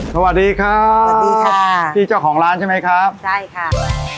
สวัสดีครับสวัสดีครับพี่เจ้าของร้านใช่ไหมครับใช่ค่ะ